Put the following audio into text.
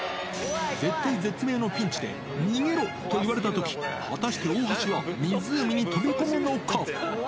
絶体絶命のピンチで、逃げろ！と言われたとき、果たして大橋は湖に飛び込むのか？